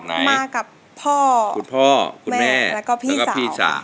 มากับพ่อคุณแม่แล้วก็พี่สาว